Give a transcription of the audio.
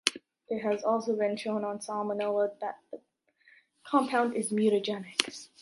It has also been shown on salmonella that the compound is mutagenic.